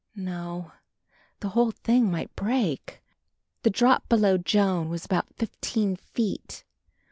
No, the whole thing might break. The drop below Joan was about fifteen feet.